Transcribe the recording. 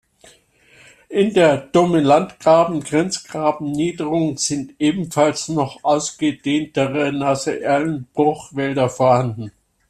In der Dumme-Landgraben-Grenzgraben-Niederung sind ebenfalls noch ausgedehntere nasse Erlenbruchwälder vorhanden.